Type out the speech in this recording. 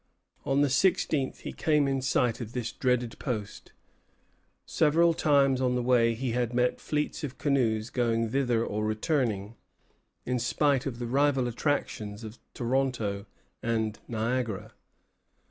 On the sixteenth he came in sight of this dreaded post. Several times on the way he had met fleets of canoes going thither or returning, in spite of the rival attractions of Toronto and Niagara.